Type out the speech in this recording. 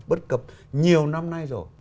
bất cập nhiều năm nay rồi